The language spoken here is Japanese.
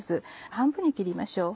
半分に切りましょう。